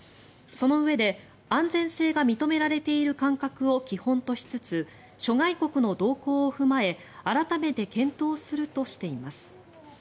そのうえで安全性が認められている間隔を基本としつつ諸外国の動向を踏まえ改めて検討するとしています。